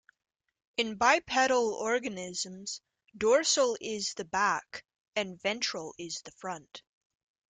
In bipedal organisms dorsal is the back and ventral is the front.